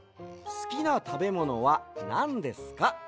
すきなたべものはなんですか？